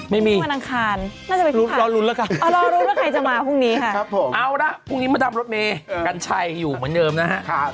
ไม่มีรอรุ้นแล้วค่ะพรุ่งนี้มาทำรถเมย์กัญชัยอยู่เหมือนเดิมนะฮะ